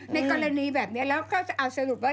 ในกรณีแบบนี้แล้วเขาจะเอาสรุปว่า